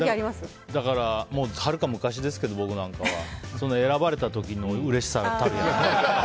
はるか昔ですけど、僕なんかは選ばれた時のうれしさたるや。